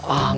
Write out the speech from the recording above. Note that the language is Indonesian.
ah gak usah